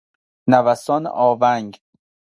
نوسان آونگ